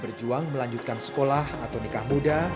berjuang melanjutkan sekolah atau nikah muda